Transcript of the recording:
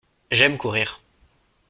J’aime courir.